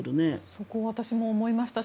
そこは私も思いました。